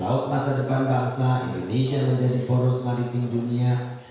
laut masa depan bangsa indonesia menjadi poros maritim dunia